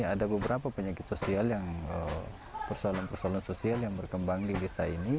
ada beberapa penyakit sosial yang persoalan persoalan sosial yang berkembang di desa ini